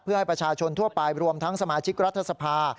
เพื่อให้ประชาชนทั่วไปรวมทั้งสมาชิกรัฐสภา